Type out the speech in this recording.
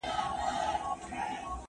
رښتیا غول نه راولي.